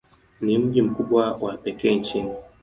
Ni mji mkubwa wa pekee nchini.